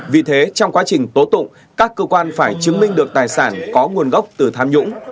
vì thế trong quá trình tố tụng các cơ quan phải chứng minh được tài sản có nguồn gốc từ tham nhũng